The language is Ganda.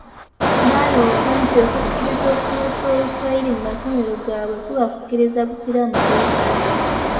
Baalowooza nti okukkiriza okusomesa Oluswayiri mu masomero gaabwe kuba kukkiriza busiraamu kwetaaya.